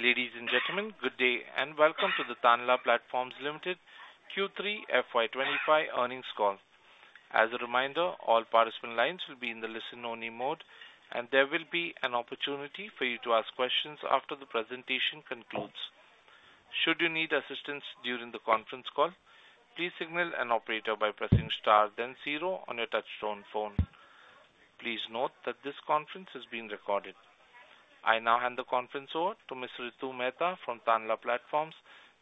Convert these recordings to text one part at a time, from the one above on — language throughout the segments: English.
Ladies and gentlemen, good day and welcome to the Tanla Platforms Dasari Uday Reddy Q3 FY25 earnings call. As a reminder, all participant lines will be in the listen-only mode, and there will be an opportunity for you to ask questions after the presentation concludes. Should you need assistance during the conference call, please signal an operator by pressing star then zero on your touch-tone phone. Please note that this conference is being recorded. I now hand the conference over to Ms. Ritu Mehta from Tanla Platforms.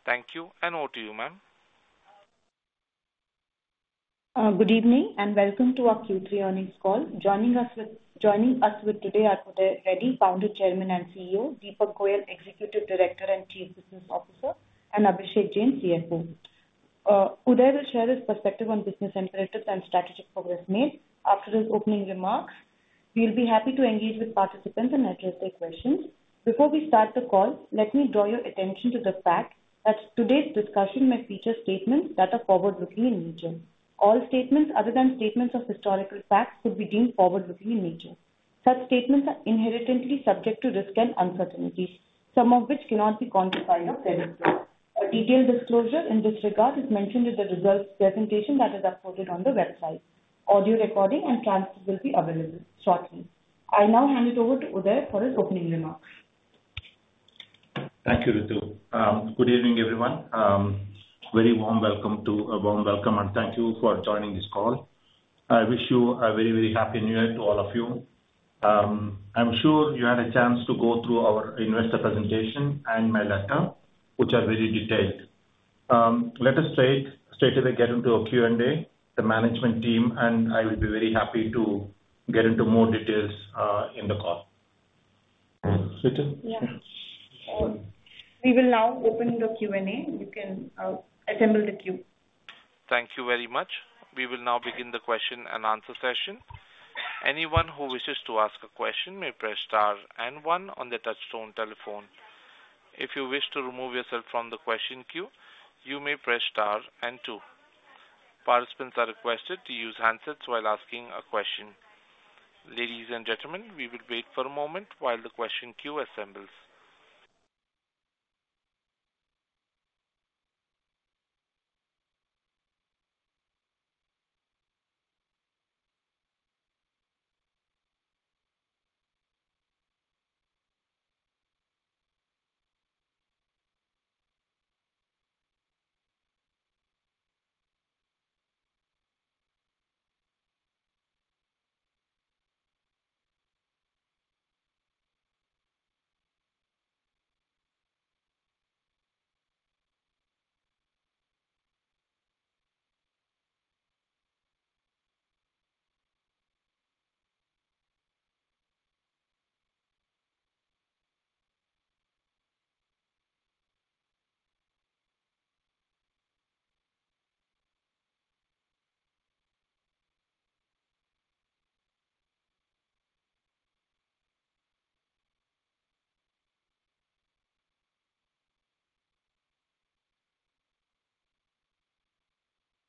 Thank you and over to you, ma'am. Good evening and welcome to our Q3 earnings call. Joining us today are Uday Reddy, Founder, Chairman, and CEO, Deepak Goyal, Executive Director and Chief Business Officer, and Abhishek Jain, CFO. Uday will share his perspective on business imperatives and strategic progress made. After his opening remarks, we'll be happy to engage with participants and address their questions. Before we start the call, let me draw your attention to the fact that today's discussion may feature statements that are forward-looking in nature. All statements other than statements of historical facts would be deemed forward-looking in nature. Such statements are inherently subject to risk and uncertainty, some of which cannot be quantified or predicted. A detailed disclosure in this regard is mentioned in the results presentation that is uploaded on the website. Audio recording and transcripts will be available shortly. I now hand it over to Uday for his opening remarks. Thank you, Ritu. Good evening, everyone. Very warm welcome to a warm welcome, and thank you for joining this call. I wish you a very, very happy New Year to all of you. I'm sure you had a chance to go through our investor presentation and my letter, which are very detailed. Let us straight away get into a Q&A. The management team and I will be very happy to get into more details in the call. Ritu? Yeah. We will now open the Q&A. You can assemble the queue. Thank you very much. We will now begin the question and answer session. Anyone who wishes to ask a question may press star and one on the touch-tone telephone. If you wish to remove yourself from the question queue, you may press star and two. Participants are requested to use handsets while asking a question. Ladies and gentlemen, we will wait for a moment while the question queue assembles.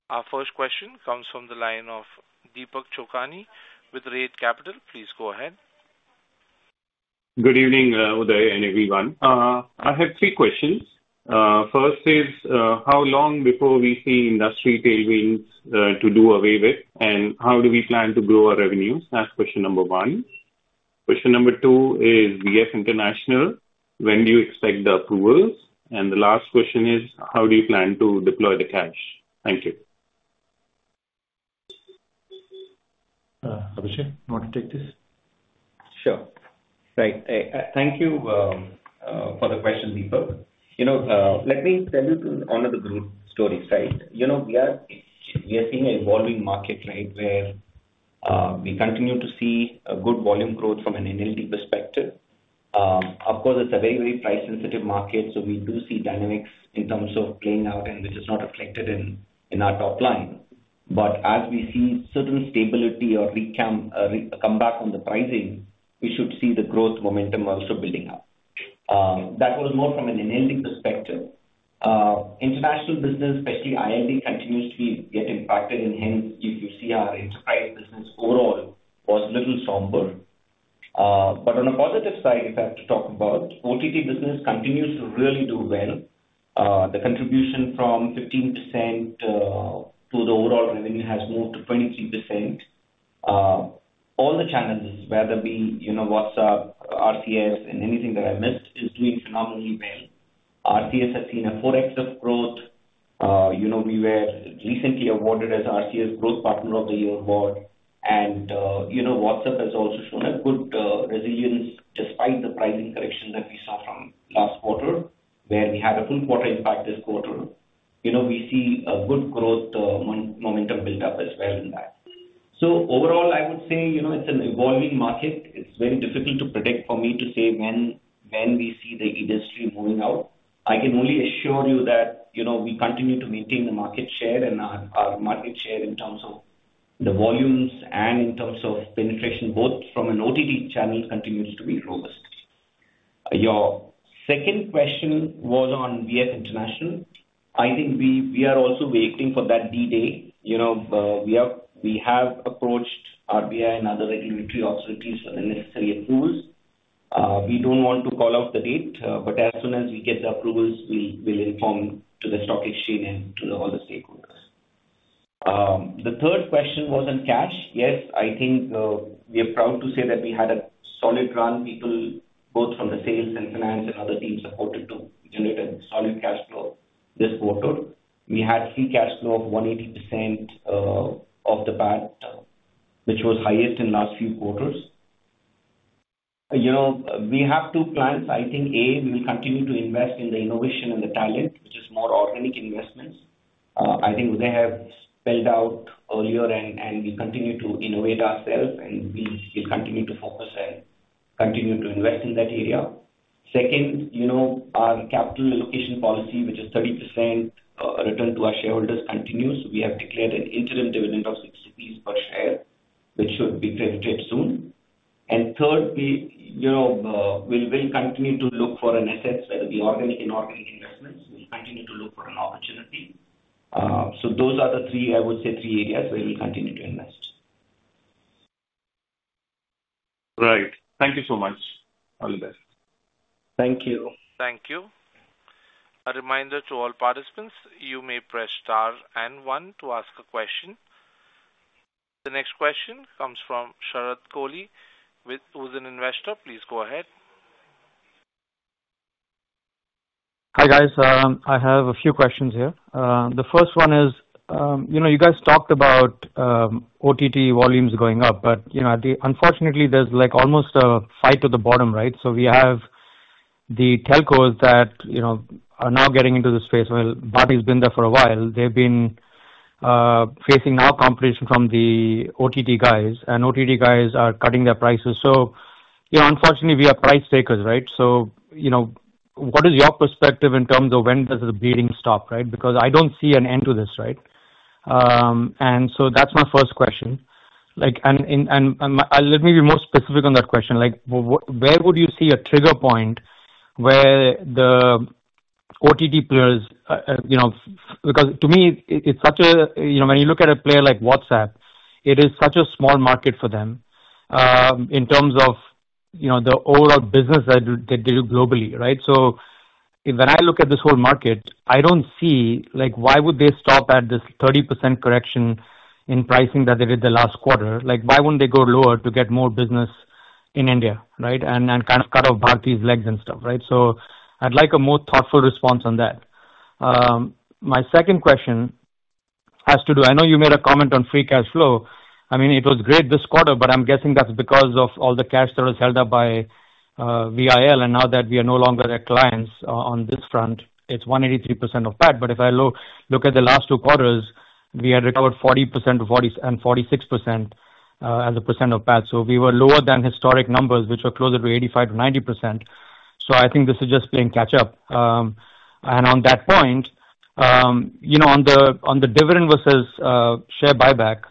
Our first question comes from the line of Deepak Chokhani with Reddy Capital. Please go ahead. Good evening, Uday and everyone. I have three questions. First is, how long before we see industry tailwinds to do away with, and how do we plan to grow our revenues? That's question number one. Question number two is, VF International, when do you expect the approvals? And the last question is, how do you plan to deploy the cash? Thank you. Abhishek, you want to take this? Sure. Right. Thank you for the question, Deepak. Let me take you through our group's story. We are seeing an evolving market where we continue to see good volume growth from an analytics perspective. Of course, it's a very, very price-sensitive market, so we do see dynamics in terms of playing out, and which is not reflected in our top line. But as we see certain stability or a comeback on the pricing, we should see the growth momentum also building up. That was more from an analytics perspective. International business, especially ILD, continues to be getting impacted, and hence, if you see our enterprise business overall, it was a little somber. But on a positive side, if I have to talk about OTT business, it continues to really do well. The contribution from 15% to the overall revenue has moved to 23%. All the channels, whether it be WhatsApp, RCS, and anything that I missed, are doing phenomenally well. RCS has seen a 4X of growth. We were recently awarded the RCS Growth Partner of the Year award, and WhatsApp has also shown a good resilience despite the pricing correction that we saw from last quarter, where we had a full quarter impact this quarter. We see a good growth momentum built up as well in that, so overall, I would say it's an evolving market. It's very difficult for me to say when we see the industry moving out. I can only assure you that we continue to maintain the market share and our market share in terms of the volumes and in terms of penetration, both from an OTT channel, continues to be robust. Your second question was on VF International. I think we are also waiting for that D-Day. We have approached RBI and other regulatory authorities for the necessary approvals. We don't want to call out the date, but as soon as we get the approvals, we'll inform the stock exchange and to all the stakeholders. The third question was on cash. Yes, I think we are proud to say that we had a solid run. People, both from the sales and finance and other teams, supported to generate a solid cash flow this quarter. We had a cash flow of 180% of the PAT, which was highest in the last few quarters. We have two plans. I think, A, we'll continue to invest in the innovation and the talent, which is more organic investments. I think Uday had spelled out earlier, and we'll continue to innovate ourselves, and we'll continue to focus and continue to invest in that area. Second, our capital allocation policy, which is 30% returned to our shareholders, continues. We have declared an interim dividend of 6 rupees per share, which should be credited soon, and third, we will continue to look for an asset, whether it be organic and inorganic investments. We'll continue to look for an opportunity, so those are the three, I would say, three areas where we'll continue to invest. Right. Thank you so much. All the best. Thank you. Thank you. A reminder to all participants, you may press star and one to ask a question. The next question comes from Sharad Kohli, who's an investor. Please go ahead. Hi guys. I have a few questions here. The first one is, you guys talked about OTT volumes going up, but unfortunately, there's almost a fight to the bottom, right? So we have the telcos that are now getting into the space. Well, Bharti's been there for a while. They've been facing now competition from the OTT guys, and OTT guys are cutting their prices. So unfortunately, we are price takers, right? So what is your perspective in terms of when does the bleeding stop, right? Because I don't see an end to this, right? And so that's my first question. And let me be more specific on that question. Where would you see a trigger point where the OTT players, because to me, it's such a, when you look at a player like WhatsApp, it is such a small market for them in terms of the overall business that they do globally, right? So when I look at this whole market, I don't see why would they stop at this 30% correction in pricing that they did the last quarter? Why won't they go lower to get more business in India, right, and kind of cut off Bharti's legs and stuff, right? So I'd like a more thoughtful response on that. My second question has to do. I know you made a comment on free cash flow. I mean, it was great this quarter, but I'm guessing that's because of all the cash that was held up by VIL. And now that we are no longer their clients on this front, it's 183% of PAT. But if I look at the last two quarters, we had recovered 40% and 46% as a percent of PAT. So we were lower than historic numbers, which were closer to 85%-90%. So I think this is just playing catch-up. And on that point, on the dividend versus share buyback,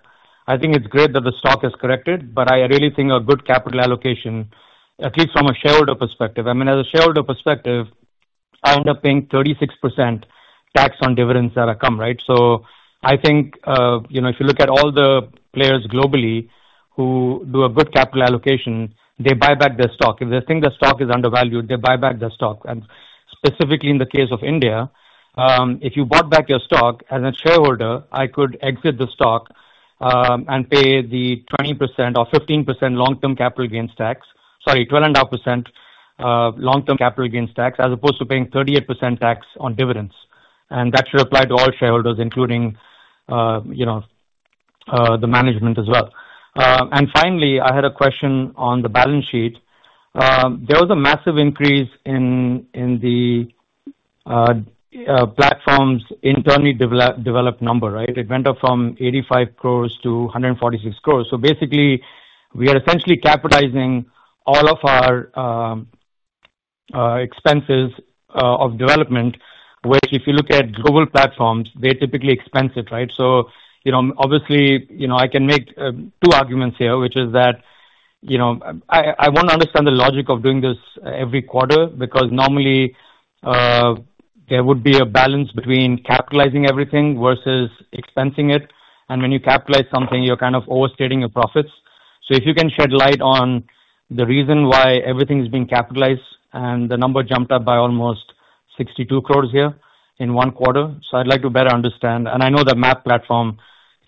I think it's great that the stock has corrected, but I really think a good capital allocation, at least from a shareholder perspective. I mean, as a shareholder perspective, I end up paying 36% tax on dividends that have come, right? So I think if you look at all the players globally who do a good capital allocation, they buy back their stock. If they think the stock is undervalued, they buy back the stock. Specifically in the case of India, if you bought back your stock as a shareholder, I could exit the stock and pay the 20% or 15% long-term capital gains tax, sorry, 12.5% long-term capital gains tax, as opposed to paying 38% tax on dividends. That should apply to all shareholders, including the management as well. Finally, I had a question on the balance sheet. There was a massive increase in the platform's internally developed number, right? It went up from ₹85 crores to ₹146 crores. Basically, we are essentially capitalizing all of our expenses of development, which if you look at global platforms, they're typically expensed, right? Obviously, I can make two arguments here, which is that I won't understand the logic of doing this every quarter because normally there would be a balance between capitalizing everything versus expensing it. When you capitalize something, you're kind of overstating your profits. If you can shed light on the reason why everything is being capitalized, and the number jumped up by almost 62 crores here in one quarter, so I'd like to better understand. I know the MaaP platform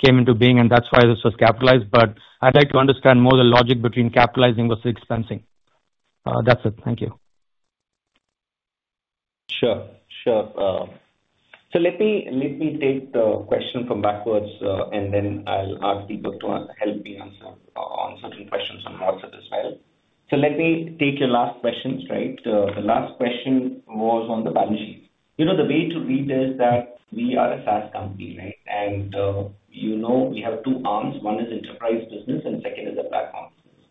came into being, and that's why this was capitalized, but I'd like to understand more the logic between capitalizing versus expensing. That's it. Thank you. Sure. Sure. So let me take the question from backwards, and then I'll ask Deepak to help me answer on certain questions on WhatsApp as well. So let me take your last questions, right? The last question was on the balance sheet. The way to read this is that we are a SaaS company, right? And we have two arms. One is enterprise business, and the second is a platform business.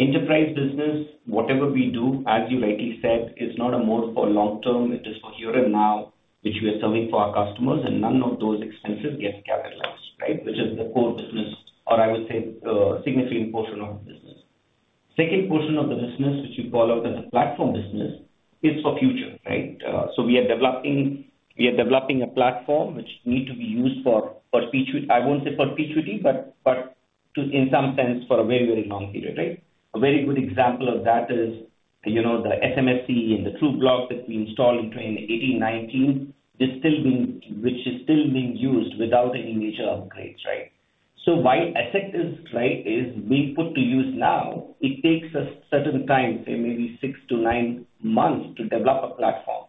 Enterprise business, whatever we do, as you rightly said, is not a mode for long-term. It is for here and now, which we are serving for our customers, and none of those expenses get capitalized, right? Which is the core business, or I would say a significant portion of the business. The second portion of the business, which you call out as a platform business, is for future, right? So we are developing a platform which needs to be used for perpetuity, I won't say perpetuity, but in some sense, for a very, very long period, right? A very good example of that is the SMSC and the Trubloq that we installed in 2018, 2019, which is still being used without any major upgrades, right? So while asset is being put to use now, it takes a certain time, say maybe six to nine months to develop a platform.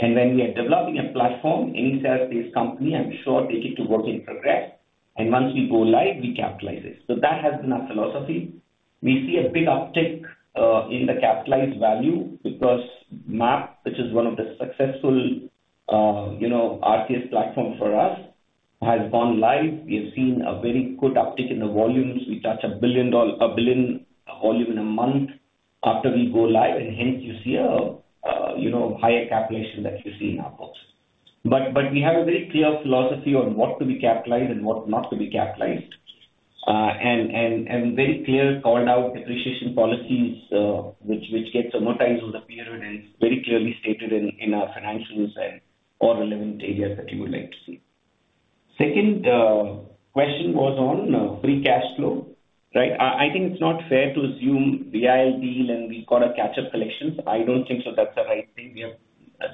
And when we are developing a platform, any SaaS-based company, I'm sure, takes it to work in progress. And once we go live, we capitalize it. So that has been our philosophy. We see a big uptick in the capitalized value because MaaP, which is one of the successful RCS platforms for us, has gone live. We have seen a very good uptick in the volumes. We touch a billion volume in a month after we go live, and hence you see a higher capitalization that you see in our books. But we have a very clear philosophy on what to be capitalized and what not to be capitalized, and very clear called-out depreciation policies which get amortized over a period and very clearly stated in our financials and all relevant areas that you would like to see. The second question was on Free Cash Flow, right? I think it's not fair to assume the ILD and we've got a catch-up collection. I don't think so that's the right thing.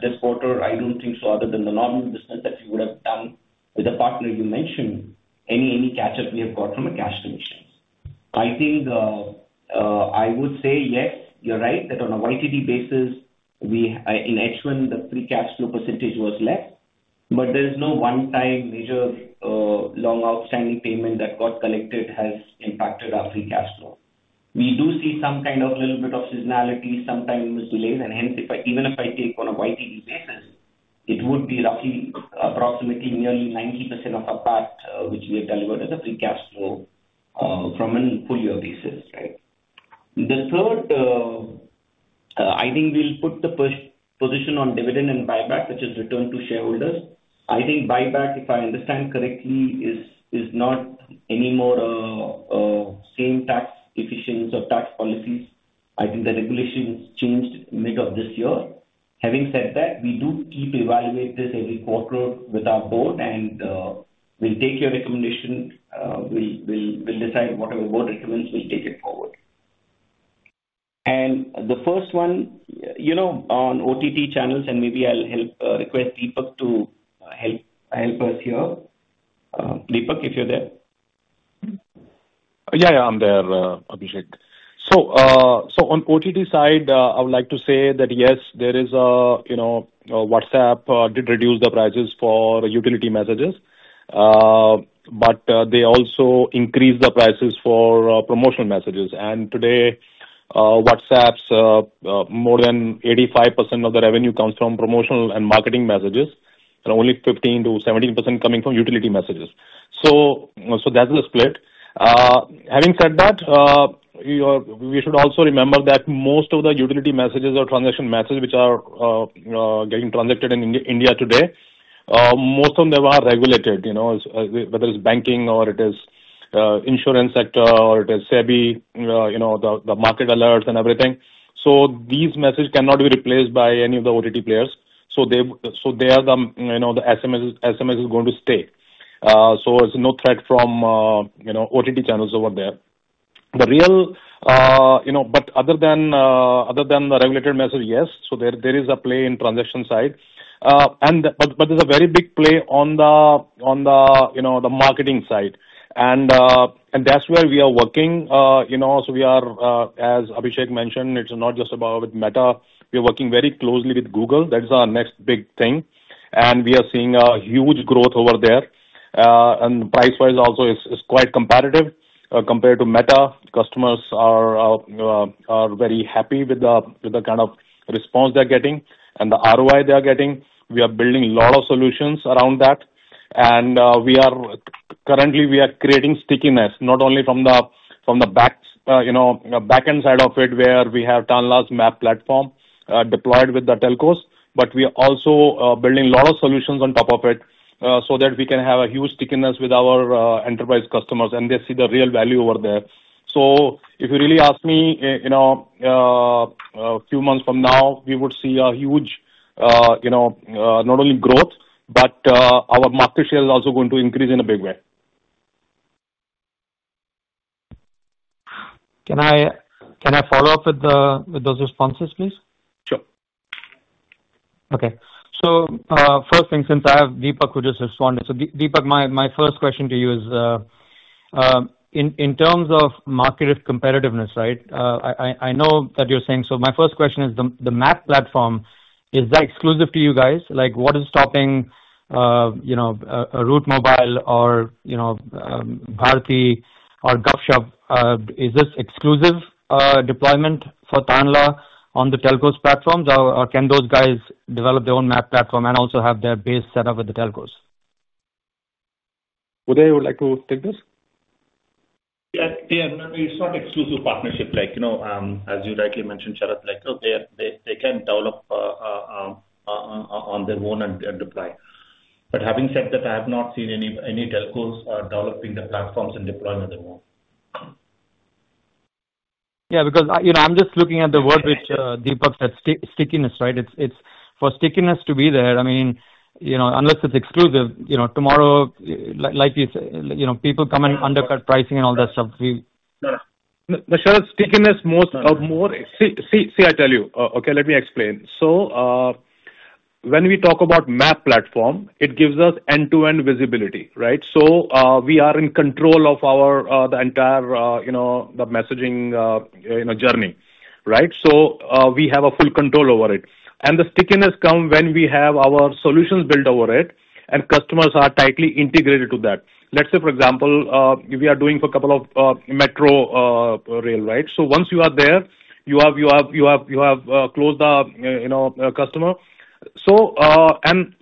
This quarter, I don't think so, other than the normal business that you would have done with the partner you mentioned, any catch-up we have got from a cash commission. I would say, yes, you're right that on a YTD basis, in H1, the free cash flow percentage was less, but there is no one-time major long outstanding payment that got collected has impacted our free cash flow. We do see some kind of little bit of seasonality, sometimes delays, and hence, even if I take on a YTD basis, it would be roughly approximately nearly 90% of our PAT, which we have delivered as a free cash flow from a full-year basis, right? The third, I think we'll put the position on dividend and buyback, which is returned to shareholders. I think buyback, if I understand correctly, is not anymore a same tax efficiency or tax policies. I think the regulations changed mid of this year. Having said that, we do keep evaluating this every quarter with our board, and we'll take your recommendation. We'll decide whatever board recommends, we'll take it forward. And the first one on OTT channels, and maybe I'll request Deepak to help us here. Deepak, if you're there. Yeah, yeah, I'm there. Abhishek. So on OTT side, I would like to say that yes, there is. WhatsApp did reduce the prices for utility messages, but they also increased the prices for promotional messages. And today, WhatsApp's more than 85% of the revenue comes from promotional and marketing messages, and only 15%-17% coming from utility messages. So that's the split. Having said that, we should also remember that most of the utility messages or transaction messages which are getting transacted in India today, most of them are regulated, whether it's banking or it is insurance sector or it is SEBI, the market alerts and everything. So these messages cannot be replaced by any of the OTT players. So they are the SMS is going to stay. So there's no threat from OTT channels over there. The real, but other than the regulated message, yes, so there is a play in the transaction side, but there's a very big play on the marketing side, and that's where we are working, so we are, as Abhishek mentioned, it's not just about Meta, we are working very closely with Google, that's our next big thing, and we are seeing a huge growth over there, and price-wise also, it's quite competitive compared to Meta. Customers are very happy with the kind of response they're getting and the ROI they're getting. We are building a lot of solutions around that. Currently, we are creating stickiness, not only from the backend side of it, where we have Tanla's MaaP platform deployed with the telcos, but we are also building a lot of solutions on top of it so that we can have a huge stickiness with our enterprise customers, and they see the real value over there. If you really ask me, a few months from now, we would see a huge not only growth, but our market share is also going to increase in a big way. Can I follow up with those responses, please? Sure. Okay. So first thing, since I have Deepak who just responded, so Deepak, my first question to you is, in terms of market competitiveness, right? I know that you're saying so my first question is, the MaaP platform, is that exclusive to you guys? What is stopping Route Mobile or Bharti or Gupshup? Is this exclusive deployment for Tanla on the telcos platforms, or can those guys develop their own MaaP platform and also have their base set up with the telcos? Would anyone like to take this? Yeah. It's not exclusive partnership. As you rightly mentioned, Sharad, they can develop on their own and deploy. But having said that, I have not seen any telcos developing the platforms and deploying on their own. Yeah, because I'm just looking at the word which Deepak said, stickiness, right? For stickiness to be there, I mean, unless it's exclusive, tomorrow, like you said, people come and undercut pricing and all that stuff. Sharad, stickiness. Most importantly, I tell you. Okay, let me explain. So when we talk about MaaP platform, it gives us end-to-end visibility, right? So we are in control of the entire messaging journey, right? So we have full control over it. And the stickiness comes when we have our solutions built over it, and customers are tightly integrated to that. Let's say, for example, we are doing for a couple of metro rail, right? So once you are there, you have closed the customer.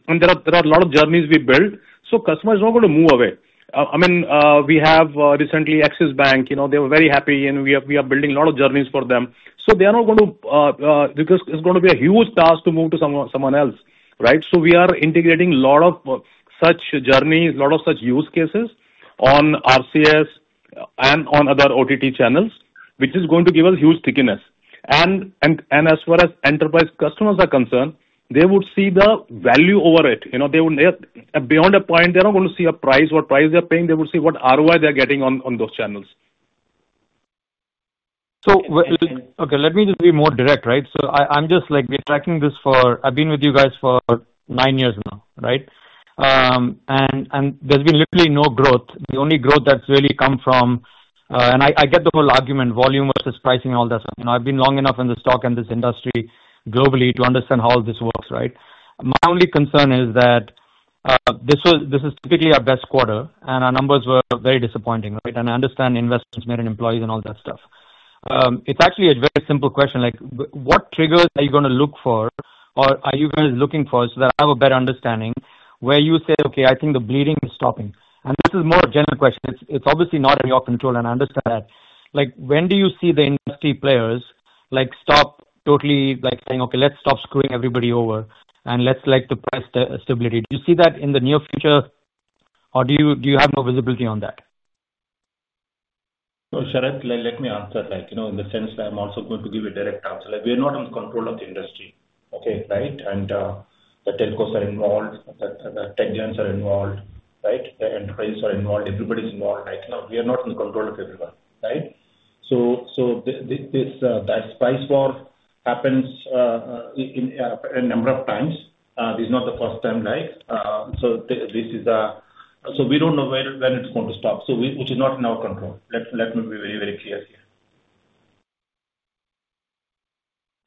And there are a lot of journeys we build. So customers are not going to move away. I mean, we have recently Axis Bank. They were very happy, and we are building a lot of journeys for them. So they are not going to because it's going to be a huge task to move to someone else, right? So we are integrating a lot of such journeys, a lot of such use cases on RCS and on other OTT channels, which is going to give us huge stickiness. And as far as enterprise customers are concerned, they would see the value over it. Beyond a point, they're not going to see a price, what price they're paying. They would see what ROI they're getting on those channels. Okay, let me just be more direct, right? So I'm just like we're tracking this for I've been with you guys for nine years now, right? And there's been literally no growth. The only growth that's really come from, and I get the whole argument, volume versus pricing and all that stuff. I've been long enough in this stock and this industry globally to understand how this works, right? My only concern is that this is typically our best quarter, and our numbers were very disappointing, right? And I understand investments made in employees and all that stuff. It's actually a very simple question. What triggers are you going to look for, or are you guys looking for so that I have a better understanding where you say, "Okay, I think the bleeding is stopping"? And this is more a general question. It's obviously not in your control, and I understand that. When do you see the industry players stop totally saying, "Okay, let's stop screwing everybody over, and let's let the price stability"? Do you see that in the near future, or do you have no visibility on that? So Sharad, let me answer that in the sense that I'm also going to give a direct answer. We are not in control of the industry, okay? Right? And the telcos are involved, the tech giants are involved, right? The enterprises are involved. Everybody's involved. We are not in control of everyone, right? So that price war happens a number of times. This is not the first time. So this is, so we don't know when it's going to stop, which is not in our control. Let me be very, very clear here.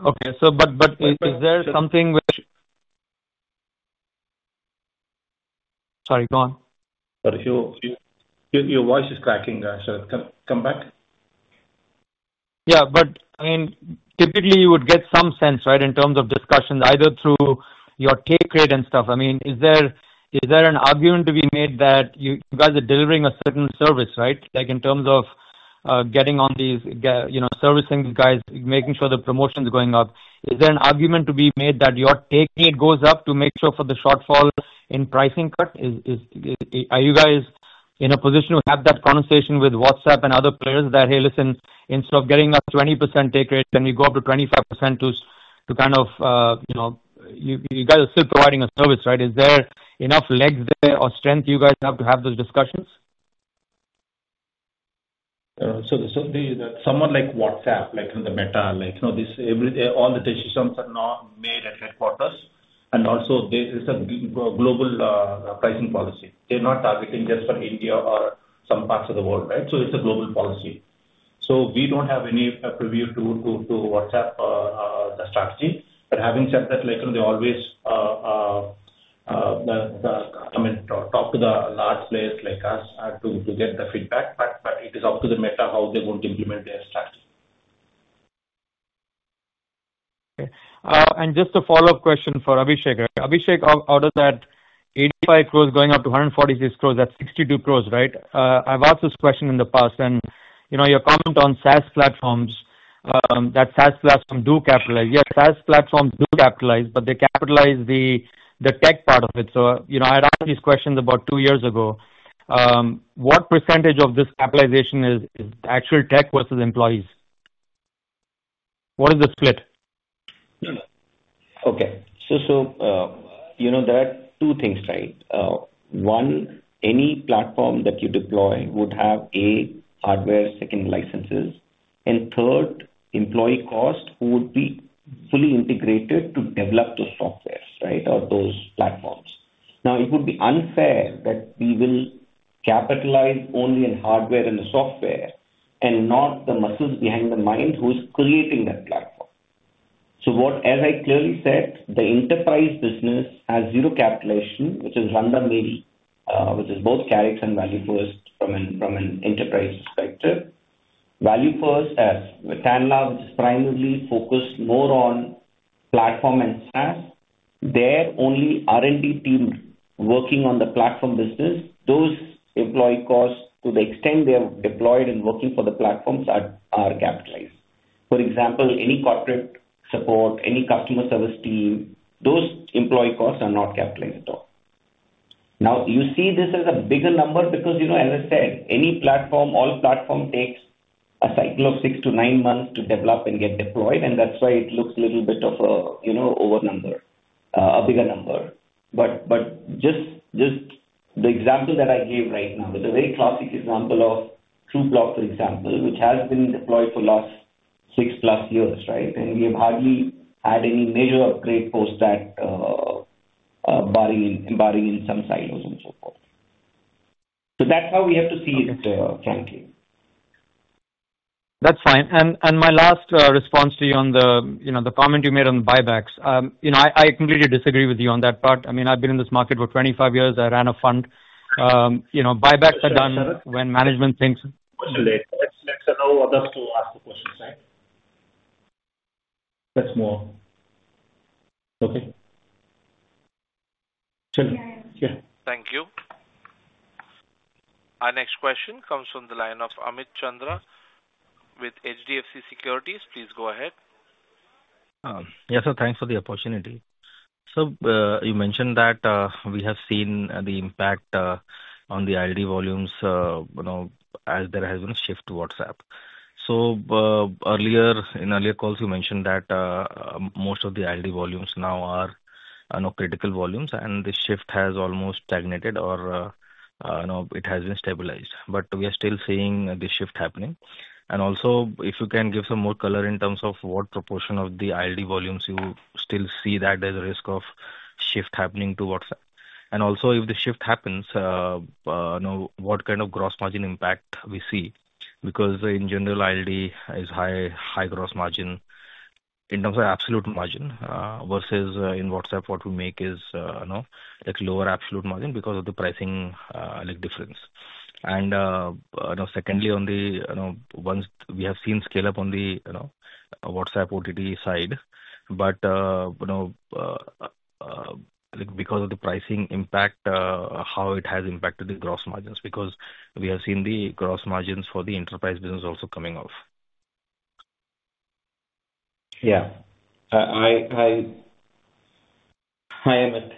Okay. But is there something which, sorry, go on. Sorry, your voice is cracking, Sharad. Come back. Yeah. But I mean, typically, you would get some sense, right, in terms of discussions, either through your take rate and stuff. I mean, is there an argument to be made that you guys are delivering a certain service, right? In terms of getting on these servicing guys, making sure the promotion's going up, is there an argument to be made that your take rate goes up to make sure for the shortfall in pricing cut? Are you guys in a position to have that conversation with WhatsApp and other players that, "Hey, listen, instead of getting a 20% take rate, can we go up to 25% to kind of," you guys are still providing a service, right? Is there enough legs there or strength you guys have to have those discussions? So someone like WhatsApp, like on the Meta, all the decisions are now made at headquarters. And also, it's a global pricing policy. They're not targeting just for India or some parts of the world, right? So it's a global policy. So we don't have any preview to WhatsApp the strategy. But having said that, they always, I mean, talk to the large players like us to get the feedback, but it is up to the Meta how they're going to implement their strategy. Okay. And just a follow-up question for Abhishek. Abhishek, out of that 85 crores going up to 146 crores, that's 62 crores, right? I've asked this question in the past, and your comment on SaaS platforms, that SaaS platforms do capitalize. Yes, SaaS platforms do capitalize, but they capitalize the tech part of it. So I had asked these questions about two years ago. What percentage of this capitalization is actual tech versus employees? What is the split? Okay, so there are two things, right? One, any platform that you deploy would have a hardware second license. And third, employee cost would be fully integrated to develop those softwares, right, or those platforms. Now, it would be unfair that we will capitalize only on hardware and software and not the muscles behind the mind who is creating that platform, so as I clearly said, the enterprise business has zero capitalization, which is namely, which is both Karix and ValueFirst from an enterprise perspective. ValueFirst has Tanla, which is primarily focused more on platform and SaaS. Their only R&D team working on the platform business. Those employee costs, to the extent they're deployed and working for the platforms, are capitalized. For example, any corporate support, any customer service team, those employee costs are not capitalized at all. Now, you see this as a bigger number because, as I said, any platform, all platform takes a cycle of six to nine months to develop and get deployed, and that's why it looks a little bit of an over number, a bigger number. But just the example that I gave right now, it's a very classic example of Trubloq, for example, which has been deployed for the last six plus years, right? And we have hardly had any major upgrade post that barring in some silos and so forth. So that's how we have to see it, frankly. That's fine. And my last response to you on the comment you made on the buybacks, I completely disagree with you on that part. I mean, I've been in this market for 25 years. I ran a fund. Buybacks are done when management thinks. Let's allow others to ask the questions, right? That's more. Okay. Sharad? Yeah, yeah. Thank you. Our next question comes from the line of Amit Chandra with HDFC Securities. Please go ahead. Yes, sir. Thanks for the opportunity, so you mentioned that we have seen the impact on the ILD volumes as there has been a shift to WhatsApp, so in earlier calls, you mentioned that most of the ILD volumes now are critical volumes, and the shift has almost stagnated or it has been stabilized, but we are still seeing the shift happening, and also, if you can give some more color in terms of what proportion of the ILD volumes, you still see that there's a risk of shift happening to WhatsApp, and also, if the shift happens, what kind of gross margin impact we see? Because in general, ILD is high gross margin in terms of absolute margin versus in WhatsApp, what we make is lower absolute margin because of the pricing difference. Secondly, on the ones we have seen scale-up on the WhatsApp OTT side, but because of the pricing impact, how it has impacted the gross margins because we have seen the gross margins for the enterprise business also coming off. Yeah. Hi, Amit.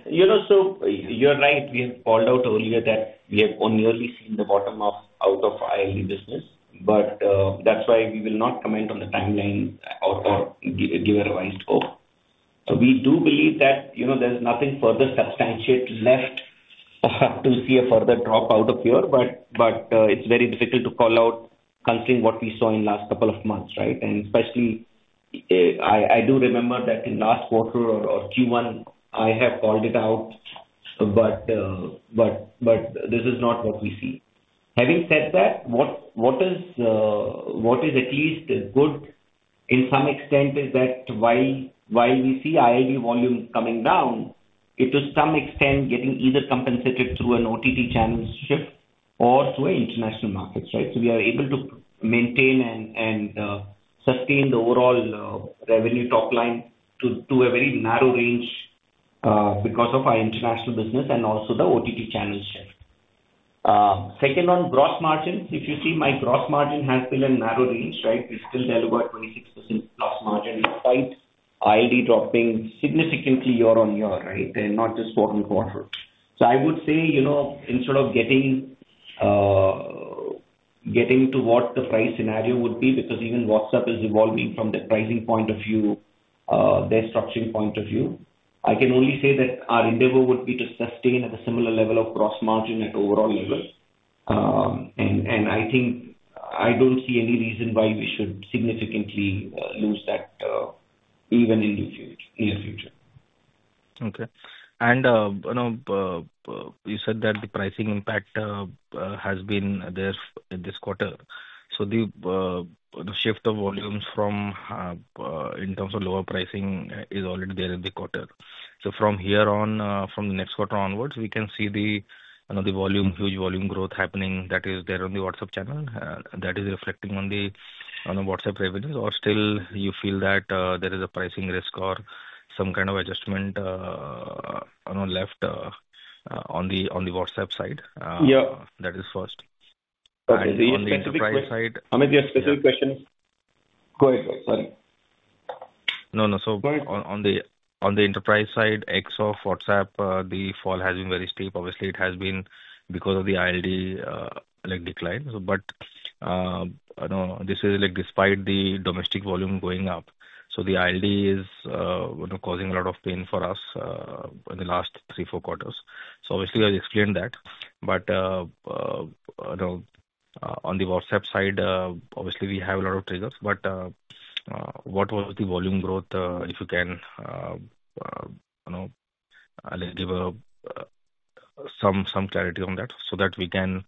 So you're right. We have called out earlier that we have only seen the bottoming out of ILD business, but that's why we will not comment on the timeline or give a revised scope. We do believe that there's nothing further substantiated left to see a further drop out of here, but it's very difficult to call out considering what we saw in the last couple of months, right? And especially, I do remember that in last quarter or Q1, I have called it out, but this is not what we see. Having said that, what is at least good in some extent is that while we see ID volume coming down, it to some extent getting either compensated through an OTT channel shift or through international markets, right? So we are able to maintain and sustain the overall revenue top line to a very narrow range because of our international business and also the OTT channel shift. Second, on gross margins, if you see my gross margin has been a narrow range, right? We still deliver 26% plus margin despite ILD dropping significantly year on year, right? And not just quarter on quarter. So I would say instead of getting to what the price scenario would be, because even WhatsApp is evolving from the pricing point of view, their structuring point of view, I can only say that our endeavor would be to sustain at a similar level of gross margin at overall level. And I think I don't see any reason why we should significantly lose that even in the near future. Okay. And you said that the pricing impact has been there this quarter. So the shift of volumes in terms of lower pricing is already there in the quarter. So from here on, from the next quarter onwards, we can see the huge volume growth happening that is there on the WhatsApp channel that is reflecting on the WhatsApp revenue. Or still, you feel that there is a pricing risk or some kind of adjustment left on the WhatsApp side? Yeah. That is first. On the enterprise side. Amit, you have specific questions? Go ahead. Sorry. No, no. So on the enterprise side, OTT, WhatsApp, the fall has been very steep. Obviously, it has been because of the ILD decline. But this is despite the domestic volume going up. So the ILD is causing a lot of pain for us in the last three, four quarters. So obviously, I explained that. But on the WhatsApp side, obviously, we have a lot of triggers. But what was the volume growth, if you can give some clarity on that so that we can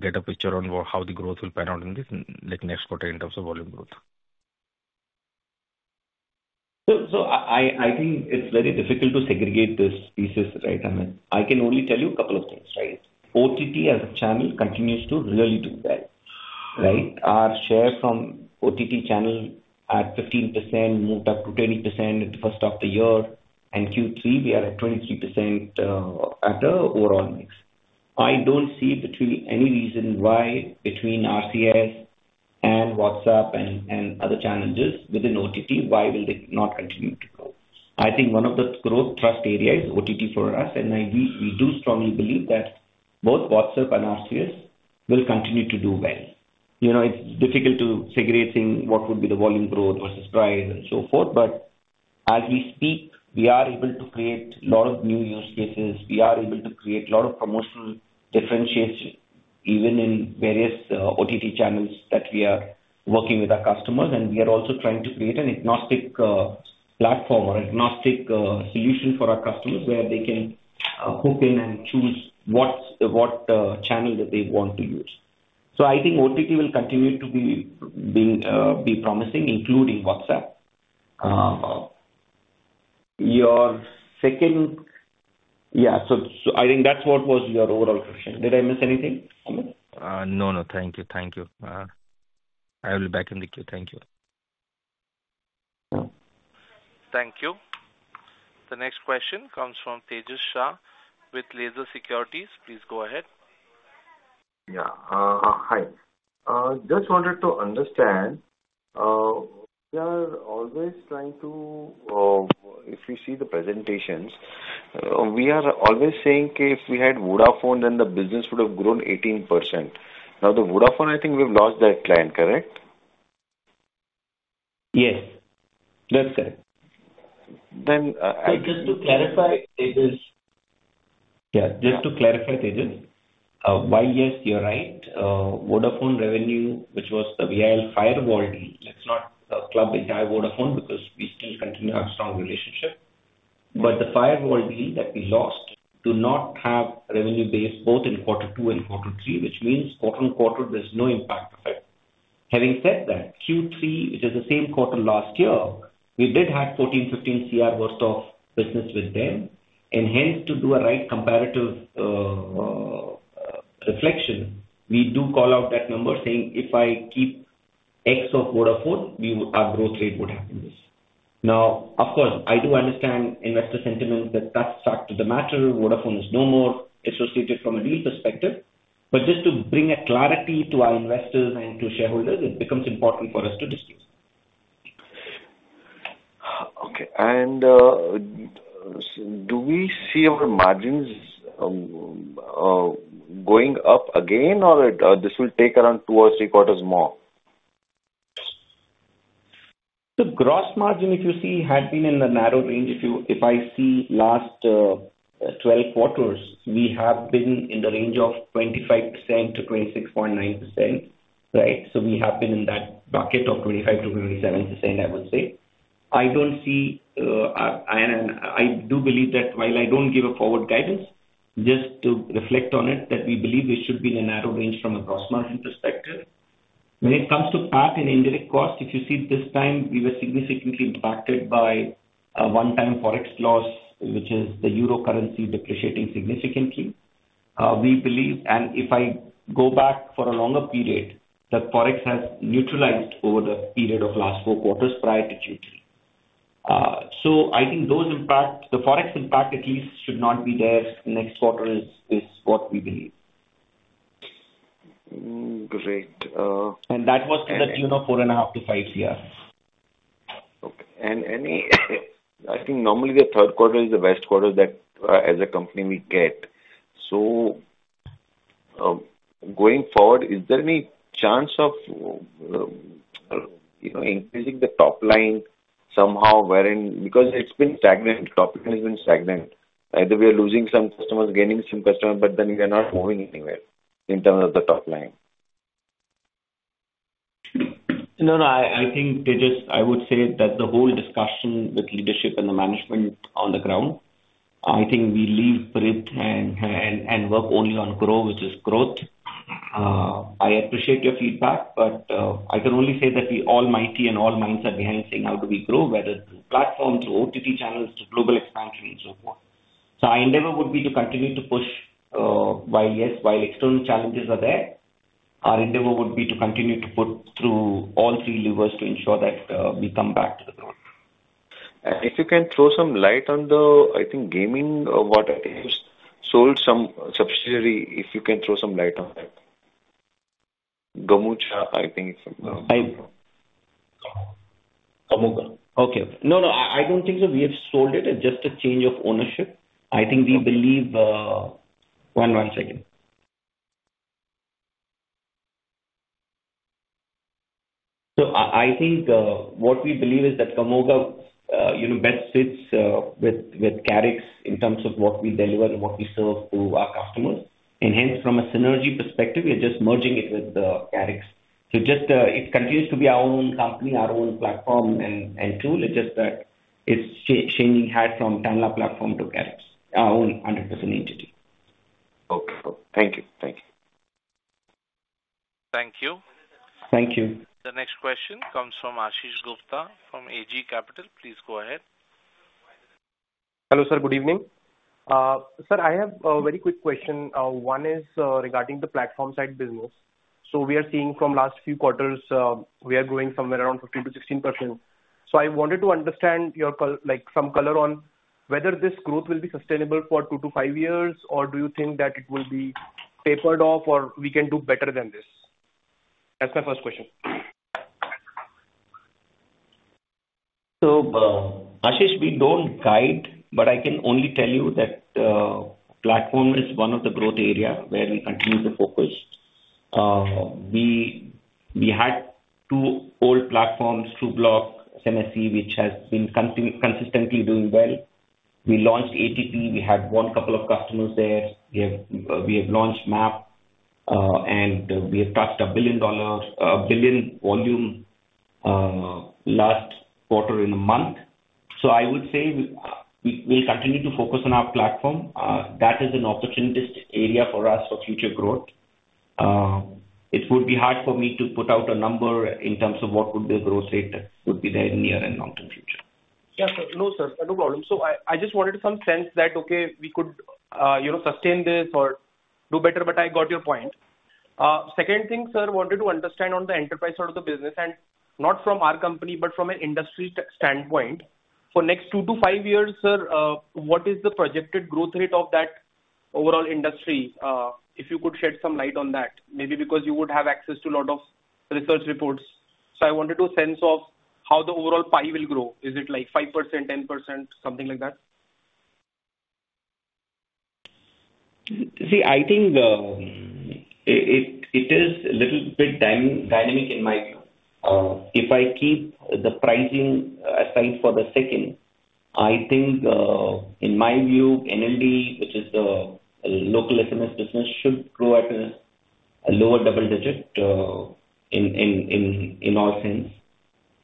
get a picture on how the growth will pan out in the next quarter in terms of volume growth? So I think it's very difficult to segregate this thesis, right? I can only tell you a couple of things, right? OTT as a channel continues to really do well, right? Our share from OTT channel at 15% moved up to 20% at the first of the year. And Q3, we are at 23% at the overall mix. I don't see any reason why between RCS and WhatsApp and other challenges within OTT, why will they not continue to grow? I think one of the growth thrust areas is OTT for us. And we do strongly believe that both WhatsApp and RCS will continue to do well. It's difficult to segregate what would be the volume growth versus price and so forth. But as we speak, we are able to create a lot of new use cases. We are able to create a lot of promotional differentiation even in various OTT channels that we are working with our customers, and we are also trying to create an agnostic platform or agnostic solution for our customers where they can hook in and choose what channel that they want to use, so I think OTT will continue to be promising, including WhatsApp. Yeah, so I think that's what was your overall question. Did I miss anything, Amit? No, no. Thank you. Thank you. I will be back in the queue. Thank you. Thank you. The next question comes from Tejas Shah with Laser Securities. Please go ahead. Yeah. Hi. Just wanted to understand, we are always trying to, if we see the presentations, we are always saying if we had Vodafone, then the business would have grown 18%. Now, the Vodafone, I think we've lost that client, correct? Yes. That's correct. Just to clarify, Tejas, yeah, just to clarify, Tejas, why yes, you're right. Vodafone revenue, which was the VIL firewall deal, let's not club entire Vodafone because we still continue our strong relationship. But the firewall deal that we lost do not have revenue base both in quarter two and quarter three, which means quarter on quarter, there's no impact of it. Having said that, Q3, which is the same quarter last year, we did have 14-15 CR worth of business with them. And hence, to do a right comparative reflection, we do call out that number saying, "If I keep X of Vodafone, our growth rate would have been this." Now, of course, I do understand investor sentiment that that's factored the matter. Vodafone is no more associated from a deal perspective. But just to bring clarity to our investors and to shareholders, it becomes important for us to discuss. Okay. And do we see our margins going up again, or this will take around two or three quarters more? The gross margin, if you see, had been in the narrow range. If I see last 12 quarters, we have been in the range of 25% to 26.9%, right? So we have been in that bucket of 25%-27%, I would say. I don't see, and I do believe that while I don't give a forward guidance, just to reflect on it, that we believe we should be in a narrow range from a gross margin perspective. When it comes to PAT and indirect cost, if you see this time, we were significantly impacted by a one-time Forex loss, which is the euro currency depreciating significantly. We believe, and if I go back for a longer period, that Forex has neutralized over the period of last four quarters prior to Q3. So I think those impacts, the Forex impact at least should not be there next quarter is what we believe. Great. And that was to the tune of 4.5-5 CR. Okay, and I think normally the third quarter is the best quarter that as a company we get. Going forward, is there any chance of increasing the top line somehow? Wherein because it's been stagnant, top line has been stagnant. Either we are losing some customers, gaining some customers, but then we are not moving anywhere in terms of the top line. No, no. I think, Tejas, I would say that the whole discussion with leadership and the management on the ground, I think we leave Bharti and work only on grow, which is growth. I appreciate your feedback, but I can only say that we are almighty and all minds are behind saying how do we grow, whether through platforms, through OTT channels, through global expansion, and so forth, so our endeavor would be to continue to push while yes, while external challenges are there, our endeavor would be to continue to put through all three levers to ensure that we come back to the ground. If you can throw some light on the, I think, gaming what I think we've sold some subsidiary, if you can throw some light on that. Gamooga, I think, is from. Gamooga. Okay. No, no. I don't think so. We have sold it. It's just a change of ownership. I think we believe one second, so I think what we believe is that Gamooga best fits with Karix in terms of what we deliver and what we serve to our customers. And hence, from a synergy perspective, we are just merging it with Karix. It continues to be our own company, our own platform and tool. It's just that it's changing hat from Tanla Platforms to Karix, our own 100% entity. Okay. Thank you. Thank you. Thank you. Thank you. The next question comes from Ashish Gupta from AG Capital. Please go ahead. Hello, sir. Good evening. Sir, I have a very quick question. One is regarding the platform side business. So we are seeing from last few quarters, we are growing somewhere around 15%-16%. So I wanted to understand some color on whether this growth will be sustainable for two to five years, or do you think that it will be tapered off, or we can do better than this? That's my first question. So Ashish, we don't guide, but I can only tell you that platform is one of the growth areas where we continue to focus. We had two old platforms, Trubloq, SMSC, which has been consistently doing well. We launched ATP. We had one couple of customers there. We have launched MaaP, and we have touched a billion dollar, a billion volume last quarter in a month. So I would say we'll continue to focus on our platform. That is an opportunistic area for us for future growth. It would be hard for me to put out a number in terms of what would be the growth rate that would be there in the near and long-term future. Yeah. No, sir. No problem. So I just wanted some sense that, okay, we could sustain this or do better, but I got your point. Second thing, sir, I wanted to understand on the enterprise side of the business, and not from our company, but from an industry standpoint, for next two to five years, sir, what is the projected growth rate of that overall industry? If you could shed some light on that, maybe because you would have access to a lot of research reports. So I wanted to sense how the overall pie will grow. Is it like 5%, 10%, something like that? See, I think it is a little bit dynamic in my view. If I keep the pricing aside for the second, I think in my view, NLD, which is the local SMS business, should grow at a lower double digit in all sense.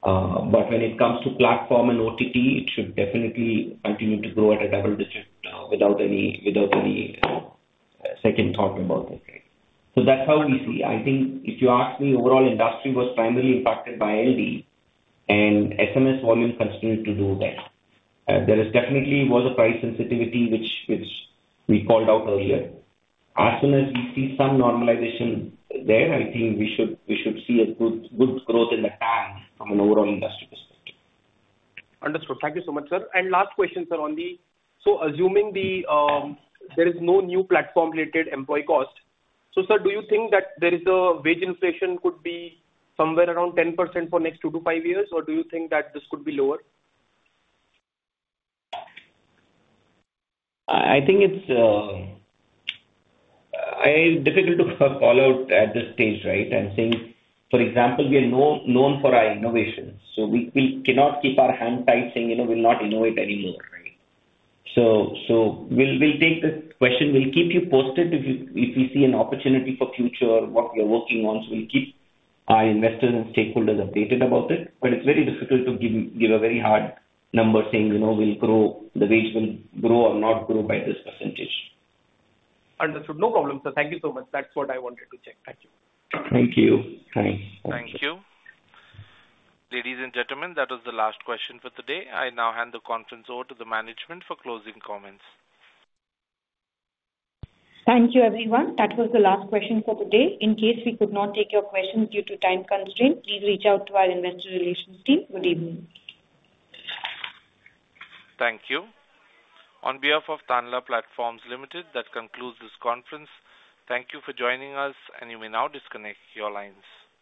But when it comes to platform and OTT, it should definitely continue to grow at a double digit without any second thought about it, right? So that's how we see. I think if you ask me, overall industry was primarily impacted by ILD, and SMS volume continued to do well. There definitely was a price sensitivity, which we called out earlier. As soon as we see some normalization there, I think we should see a good growth in the Tanla from an overall industry perspective. Understood. Thank you so much, sir. And last question, sir, on the so assuming there is no new platform-related employee cost, so sir, do you think that there is a wage inflation could be somewhere around 10% for next two to five years, or do you think that this could be lower? I think it's difficult to call out at this stage, right? I'm saying, for example, we are known for our innovation. So we cannot keep our hand tight saying, "We'll not innovate anymore," right? So we'll take this question. We'll keep you posted if we see an opportunity for future, what we are working on. So we'll keep our investors and stakeholders updated about it. But it's very difficult to give a very hard number saying, "We'll grow, the wage will grow or not grow by this percentage. Understood. No problem, sir. Thank you so much. That's what I wanted to check. Thank you. Thank you. Thanks. Thank you. Ladies and gentlemen, that was the last question for today. I now hand the conference over to the management for closing comments. Thank you, everyone. That was the last question for today. In case we could not take your questions due to time constraints, please reach out to our investor relations team. Good evening. Thank you. On behalf of Tanla Platforms Limited, that concludes this conference. Thank you for joining us, and you may now disconnect your lines.